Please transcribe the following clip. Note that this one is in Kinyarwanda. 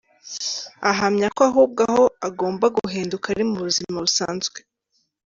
Ahamya ko ahubwo aho agomba guhinduka ari mu buzima busanzwe.